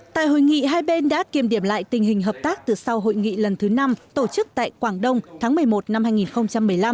tại hội nghị hai bên đã kiềm điểm lại tình hình hợp tác từ sau hội nghị lần thứ năm tổ chức tại quảng đông tháng một mươi một năm hai nghìn một mươi năm